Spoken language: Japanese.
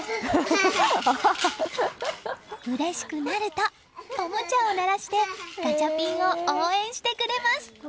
うれしくなるとおもちゃを鳴らしてガチャピンを応援してくれます。